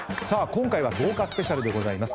今回は豪華スペシャルでございます。